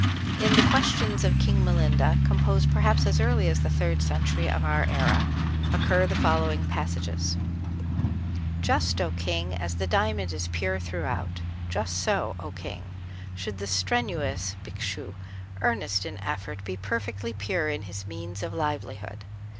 In the "Questions of King Milinda," composed perhaps as early as the third century of our era, occur the following passages: Just, O King, as the diamond is pure throughout; just so, O King, should the strenuous Bhikshu, earnest in effort, be perfectly pure in his means of livelihood.